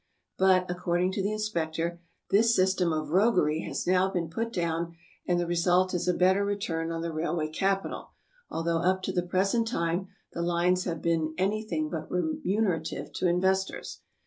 " But, according to the inspector, this system of roguery has now been put down, and the result is a better return on the railway capital, although up to the present time the lines have been anything but re munerative to investors.